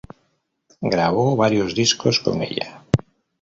Grabó varios discos con ella.